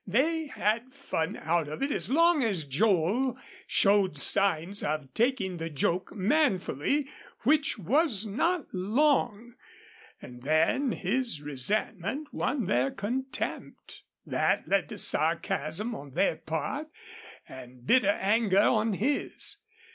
They had fun out of it as long as Joel showed signs of taking the joke manfully, which was not long, and then his resentment won their contempt. That led to sarcasm on their part and bitter anger on his.